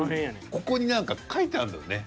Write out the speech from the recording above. ここに何か書いてあんのよね。